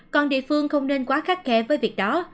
còn địa phương không nên quá khắt khe với việc đó